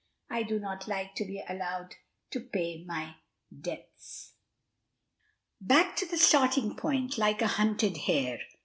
"I don't like not to be allowed to pay my debts." "Back to the starting point, like a hunted hare!